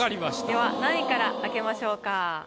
では何位から開けましょうか？